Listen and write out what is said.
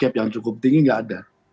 gap yang cukup tinggi nggak ada